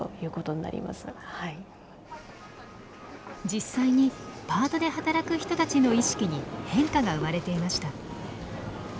実際にパートで働く人たちの意識に変化が生まれていました。